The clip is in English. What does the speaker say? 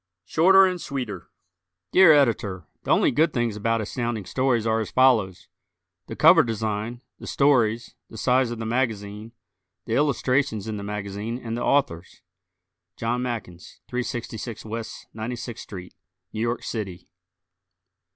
Shorter and Sweeter Dear Editor: The only good things about Astounding Stories are as follows: The cover design, the stories, the size of the magazine, the illustrations in the magazine and the Authors. John Mackens, 366 W. 96th St., New York City.